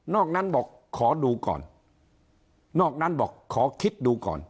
นั้นบอกขอดูก่อนนอกนั้นบอกขอคิดดูก่อน